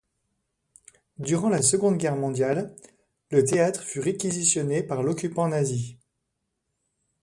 Durant la Seconde Guerre mondiale, le théâtre fut réquisitionné par l'occupant nazi.